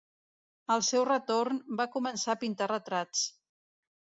Al seu retorn, va començar a pintar retrats.